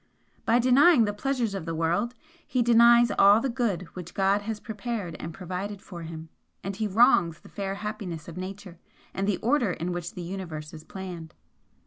By denying the pleasures of this world, he denies all the good which God has prepared and provided for him, and he wrongs the fair happiness of Nature and the order in which the Universe is planned.